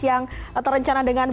dan terencana dengan baik